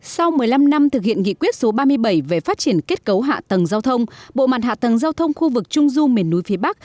sau một mươi năm năm thực hiện nghị quyết số ba mươi bảy về phát triển kết cấu hạ tầng giao thông bộ mặt hạ tầng giao thông khu vực trung du miền núi phía bắc